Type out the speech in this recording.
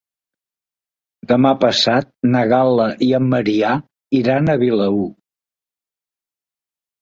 Demà passat na Gal·la i en Maria iran a Vilaür.